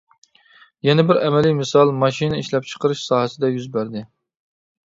يەنە بىر ئەمەلىي مىسال ماشىنا ئىشلەپچىقىرىش ساھەسىدە يۈز بەردى.